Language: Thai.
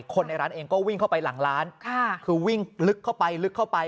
คนในร้านเองก็วิ่งเข้าไปหลังร้านคือวิ่งลึกเข้าไปลึกเข้าไป